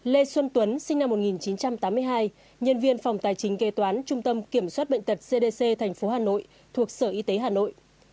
lê xuân tuấn sinh năm một nghìn chín trăm tám mươi hai nhân viên phòng tài chính kế toán trung tâm kiểm soát bệnh tật cdc tp hà nội thuộc sở y tế hà nội